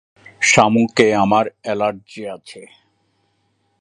শামুকে আমার এলার্জি আছে।